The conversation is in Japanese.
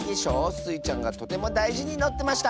スイちゃんがとてもだいじにのってました！